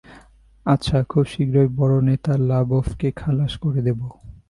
আচ্ছা, খুব শীঘ্রই বড়ো নেতা লা বোফ কে খালাশ করে দেবো।